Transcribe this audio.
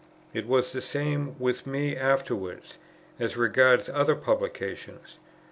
It was the same with me afterwards, as regards other publications.